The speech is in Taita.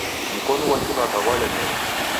Mkonu ghwa kiw'aka ghwalemere.